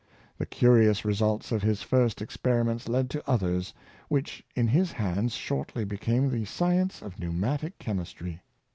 The curious results of his first experiments led to others, which in his hands shortly became the science of pneumatic chemistry.